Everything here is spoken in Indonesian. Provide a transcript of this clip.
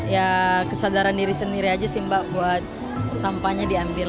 ya kesadaran diri sendiri aja sih mbak buat sampahnya diambil